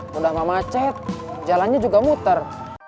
mudah memacet jalannya juga muter